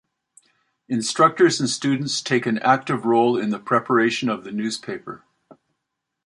Instructors and students take an active role in the preparation of the newspaper.